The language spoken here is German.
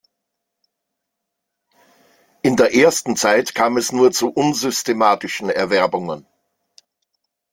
In der ersten Zeit kam es nur zu unsystematischen Erwerbungen.